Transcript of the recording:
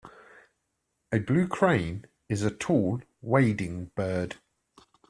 A blue crane is a tall wading bird.